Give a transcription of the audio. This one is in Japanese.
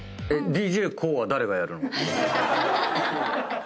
ＤＪＫＯＯは誰がやるの？